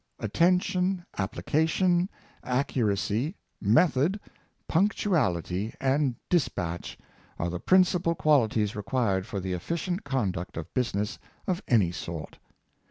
Attention, application, accuracy, method, punctuality^ and dispatch, are the principal qualities required for the efficient conduct of business of any sort.